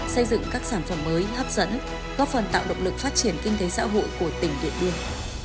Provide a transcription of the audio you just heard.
xây dựng các sản phẩm mới hấp dẫn góp phần tạo động lực phát triển kinh tế xã hội của tỉnh điện biên